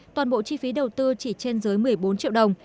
toàn bộ chi phí đầu tư chỉ trên dưới một mươi bốn triệu đồng